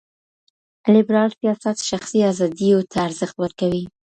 ليبرال سياست شخصي آزاديو ته ارزښت ورکوي.